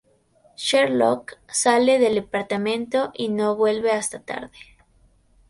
Sherlock sale del departamento y no vuelve hasta tarde.